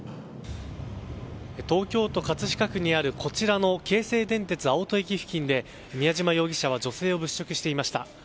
東京都葛飾区にあるこちらの京成電鉄青砥駅付近で宮嶋容疑者は女性を物色していました。